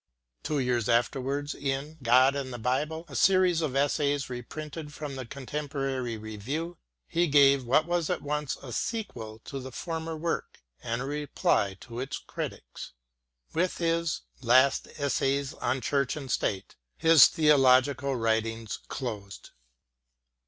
Two years afterwards in " God and the Bible," a series of essays reprinted from the Contem porary Review, he gave what was at once a sequel to the former work and a reply to its critics. With his " Last Essays on Church and State " his, theological writings closed.